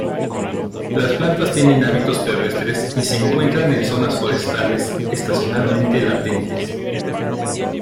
Las plantas tienen hábitos terrestres y se encuentran en zonas forestales, estacionalmente latentes.